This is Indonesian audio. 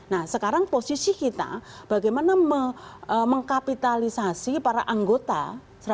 nah sekarang posisi kita bagaimana mengkapitalisasi para anggota satu ratus delapan puluh sembilan negara